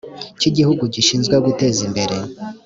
cy’igihugu gishinzwe guteza imbere